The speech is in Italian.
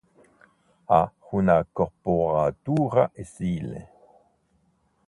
Ha una corporatura esile.